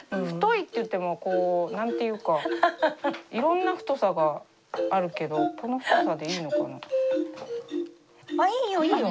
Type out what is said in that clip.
太いっていっても何て言うかいろんな太さがあるけどこの太さでいいのかな。